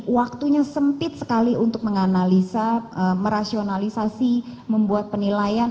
waktunya sempit sekali untuk menganalisa merasionalisasi membuat penilaian